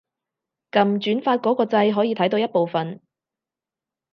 撳轉發嗰個掣可以睇到一部分